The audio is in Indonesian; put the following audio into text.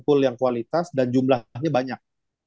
full yang kualitas dan jumlahnya banyak